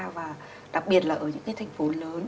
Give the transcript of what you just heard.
và đặc biệt là ở những thành phố lớn